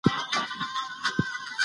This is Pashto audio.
د هېواد منظره کې سلیمان غر ښکاره دی.